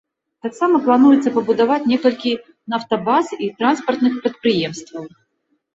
Таксама плануецца пабудаваць некалькі нафтабаз і транспартных прадпрыемстваў.